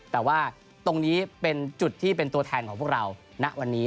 แต่ว่าตรงนี้เป็นจุดที่เป็นตัวแทนของพวกเราณวันนี้